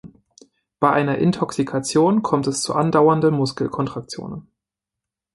Bei einer Intoxikation kommt es zu andauernden Muskelkontraktionen.